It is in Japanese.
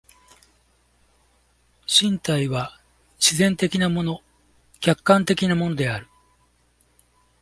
身体は自然的なもの、客観的なものである。